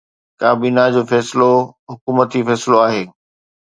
ڪابينا جو فيصلو حڪومتي فيصلو آهي.